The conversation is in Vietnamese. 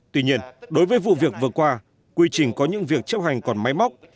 tuy nhiên đối với vụ việc vừa qua quy trình có những việc chấp hành còn máy móc